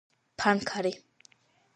ფანქარი